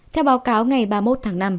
theo báo cáo ngày ba mươi một tháng năm